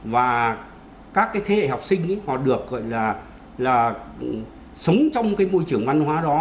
và các cái thế hệ học sinh ấy họ được gọi là sống trong cái môi trường văn hóa đó